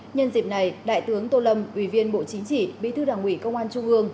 nhân dịp này đại tướng tô lâm ủy viên bộ chính trị bí thư đảng ủy công an trung ương